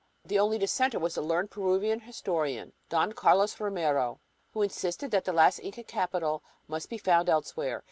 The only dissenter was the learned Peruvian historian, Don Carlos Romero, who insisted that the last Inca capital must be found elsewhere.